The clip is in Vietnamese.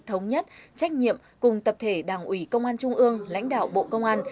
thống nhất trách nhiệm cùng tập thể đảng ủy công an trung ương lãnh đạo bộ công an